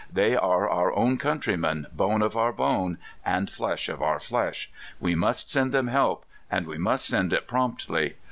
They are our own coun trymen — bone of our bone, and flesh of our flesh. We must send them help, and we must send it promptly.